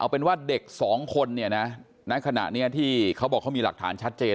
เป็นว่าเด็กสองคนเนี่ยนะณขณะนี้ที่เขาบอกเขามีหลักฐานชัดเจน